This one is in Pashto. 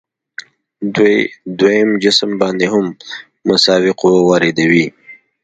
دوی دویم جسم باندې هم مساوي قوه واردوي.